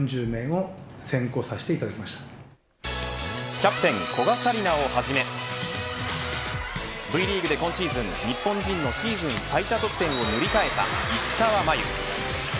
キャプテン古賀紗理那をはじめＶリーグで今シーズン日本人のシーズン最多得点を塗り替えた石川真佑。